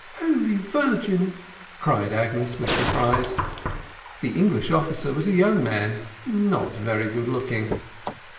"Holy Virgin!" cried Agnes, with surprise. "The English officer was a young man, not very good looking."